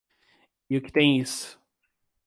E o que tem isso?